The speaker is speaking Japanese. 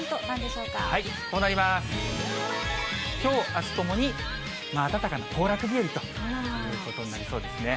きょう、あすともに暖かな行楽日和ということになりそうですね。